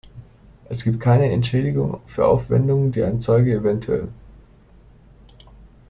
Es gibt keine Entschädigung für Aufwendungen, die ein Zeuge evtl.